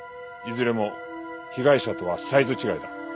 いずれも被害者とはサイズ違いだ。